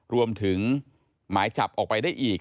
รวมถึงหมายจับออกไปได้อีก